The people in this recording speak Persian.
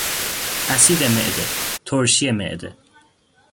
اسید معده، ترشی معده